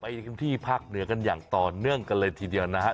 พื้นที่ภาคเหนือกันอย่างต่อเนื่องกันเลยทีเดียวนะฮะ